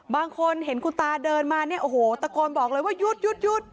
บางคนเห็นคุณตาเดินมาเนี่ยโอ้โหตะโกนบอกเลยว่าหยุดหยุด